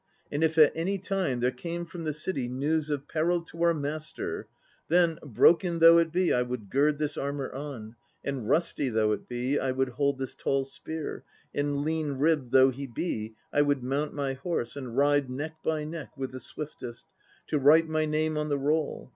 And if at any time there came from the City news of peril to our master Then, broken though it be I would gird this armour on, And rusty though it be I would hold this tall spear, And lean ribbed though he be I would mount my horse and ride Neck by neck with the swiftest, To write my name on the roll.